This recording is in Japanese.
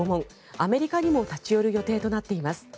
アメリカにも立ち寄る予定となっています。